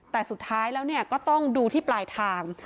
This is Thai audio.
แต่สุดท้ายแล้วก็ต้องดูที่ปลายทาง